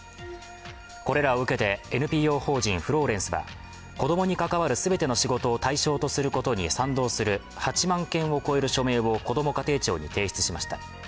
これらを受けて、ＮＰＯ法人フローレンスは子供に関わる全ての仕事を対象とすることに賛同する８万軒を超える署名をこども家庭庁に提出しました。